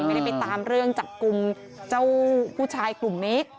ไม่ได้ไปตามเรื่องจากกลุ่มผู้ชายกลุ่มนิก